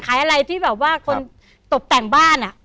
ขายอะไรที่แบบว่าคนตกแต่งบ้าน